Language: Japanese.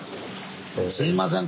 すいません